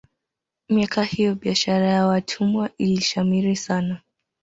miaka hiyo biashara ya watumwa ilishamiri sana